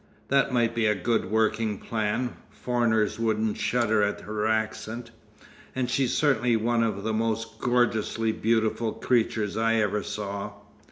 "That might be a good working plan. Foreigners wouldn't shudder at her accent. And she's certainly one of the most gorgeously beautiful creatures I ever saw."